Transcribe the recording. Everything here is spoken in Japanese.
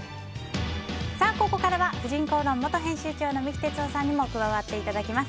ここからは「婦人公論」元編集長の三木哲男さんにも加わっていただきます。